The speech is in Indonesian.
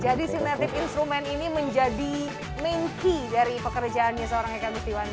jadi sinertif instrument ini menjadi main key dari pekerjaannya seorang eka agustiwana